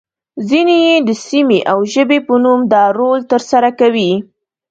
ځینې يې د سیمې او ژبې په نوم دا رول ترسره کوي.